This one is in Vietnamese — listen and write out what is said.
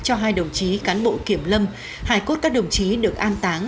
cho hai đồng chí cán bộ kiểm lâm hải cốt các đồng chí được an táng